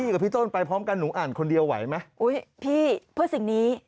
ครับเพื่อสิ่งนี้